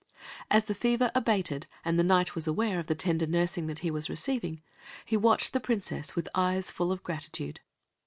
As the fever abated, and the Knight was aware of the tender nursing that he was receiving, he watched the Princess with eyes full of gratitude.